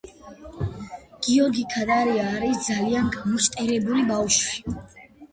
ბუენა-ვისტას ყურის სამხრეთ სანაპიროზე შექმნილია კაგუანესის ეროვნული პარკი.